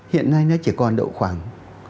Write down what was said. hiện nay nó chỉ còn độ khoảng